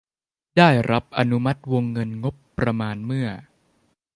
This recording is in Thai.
ได้รับอนุมัติวงเงินงบประมาณเมื่อ